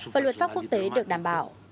và luật pháp quốc tế được đảm bảo